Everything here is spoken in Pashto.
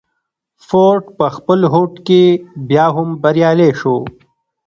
فورډ په خپل هوډ کې بيا هم بريالی شو.